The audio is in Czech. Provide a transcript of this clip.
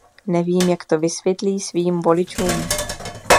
Nevím, jak to vysvětlí svým voličům.